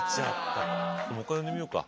もう一回呼んでみようか。